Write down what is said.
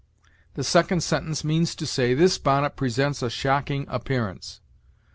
The second sentence means to say, "This bonnet presents a shocking appearance."